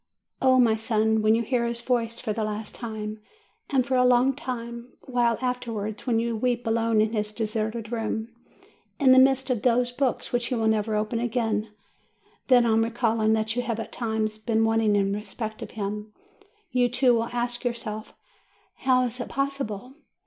Oh, my son, when you hear his voice for the last time, and for a long while afterwards, when you weep alone in his deserted room, in the midst of those books which he will never open again, then, on recalling that you have at times been wanting in respect to him, you, too, will ask yourself, "How is it possible?'